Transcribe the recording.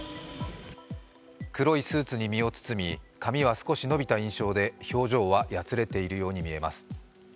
黒いスーツに身を包み、髪は少し伸びた印象で表情はやつれているように見えます。